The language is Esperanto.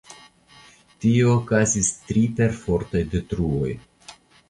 Tie okazis tri perfortaj detruoj.